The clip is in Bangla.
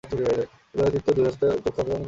উদয়াদিত্য দুই হস্তে চক্ষু আচ্ছাদন করিলেন।